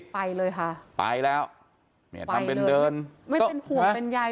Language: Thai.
ไปเลยค่ะไปแล้วเนี่ยทำเป็นเดินไม่เป็นห่วงเป็นใย